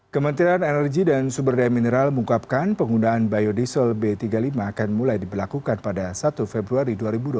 kementerian energi dan sumber daya mineral mengungkapkan penggunaan biodiesel b tiga puluh lima akan mulai diberlakukan pada satu februari dua ribu dua puluh